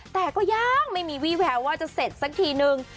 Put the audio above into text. แต่ก็ยังไม่มีวี่แววว่าจะเสร็จสักทีนึง